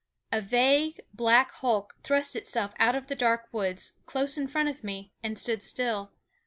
A vague black hulk thrust itself out of the dark woods, close in front of me, and stood still.